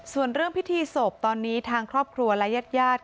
ส่วนเรื่องพิธีศพตอนนี้ทางครอบครัวและญาติญาติ